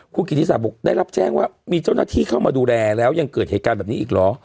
คุณกิติศาสบอกได้รับแจ้งว่ามีเจ้าหน้าที่เข้ามาดูแลแล้วยังเกิดเหตุการณ์แบบนี้อีกเหรอ